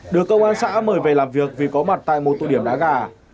được cơ quan xã mời về làm việc vì có mặt tại một tụi điểm đá gà